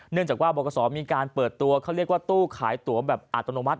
เนื่องจากว่าบรกษมีการเปิดตัวเขาเรียกว่าตู้ขายตัวแบบอัตโนมัติ